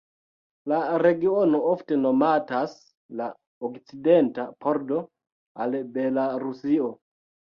La regiono ofte nomatas la "okcidenta pordo" al Belarusio.